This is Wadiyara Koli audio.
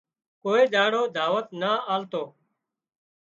ڪوئي ۮاڙو دعوت نا آلتو